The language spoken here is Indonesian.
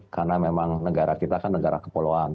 karena memang negara kita kan negara kepulauan